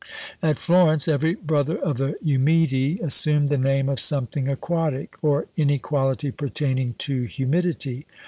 At Florence every brother of the "Umidi" assumed the name of something aquatic, or any quality pertaining to humidity.